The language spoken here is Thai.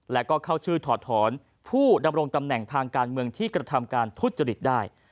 และก็เข้าชื่อถอดถอนผู้ดำรงตำแหน่งทางการเมืองที่กระทำการทุจริตได้